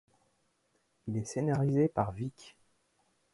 Il est scénarisé par Vicq.